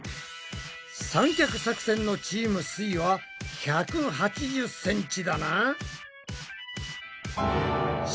三脚作戦のチームすイは１８０ｃｍだな。